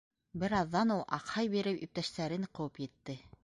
Бер аҙҙан ул, аҡһай биреп, иптәштәрен ҡыуып етте.